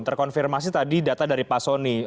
terkonfirmasi tadi data dari pak soni